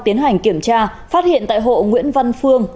tiến hành kiểm tra phát hiện tại hộ nguyễn văn phương